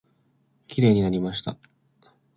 きれいになりました。